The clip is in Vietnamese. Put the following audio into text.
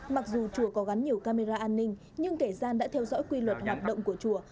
mặc dù chùa có gắn nhiều camera an ninh nhưng kẻ gian đã theo dõi quy luật hoạt động của chùa